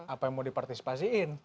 apa yang mau dipartisipasiin